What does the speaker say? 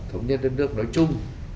thống nhất đất nước nói chung